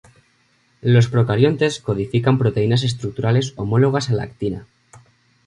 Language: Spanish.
Los procariontes codifican proteínas estructurales homólogas a la actina.